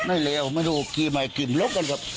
ไหนเรียวไม่รู้กินมาให้กินลบกันครับ